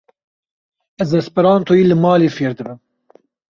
Ez esperantoyî li malê fêr dibim.